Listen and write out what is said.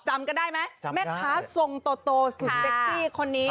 จำกันได้ไหมแม่ค้าทรงโตสุดเซ็กซี่คนนี้